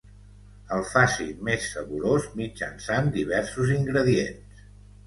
El facin més saborós mitjançant diversos ingredients.